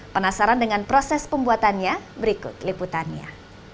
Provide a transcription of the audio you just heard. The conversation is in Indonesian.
penasaran dengan proses pembuatannya berikut liputannya